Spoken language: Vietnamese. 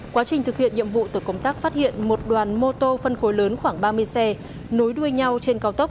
quá trình thực hiện nhiệm vụ tổ công tác phát hiện một đoàn mô tô phân khối lớn khoảng ba mươi xe nối đuôi nhau trên cao tốc